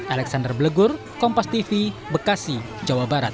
alexander blegur kompas tv bekasi jawa barat